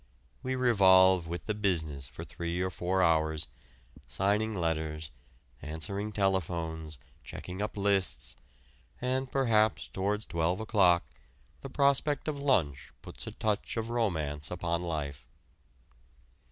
We revolve with the business for three or four hours, signing letters, answering telephones, checking up lists, and perhaps towards twelve o'clock the prospect of lunch puts a touch of romance upon life.